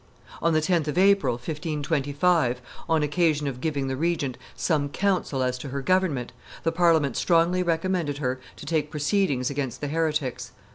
On the 10th of April, 1525, on occasion of giving the regent some counsel as to her government, the Parliament strongly recommended her to take proceedings against the heretics.